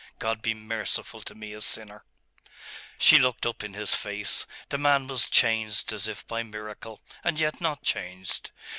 God be merciful to me a sinner!' She looked up in his face. The man was changed as if by miracle and yet not changed.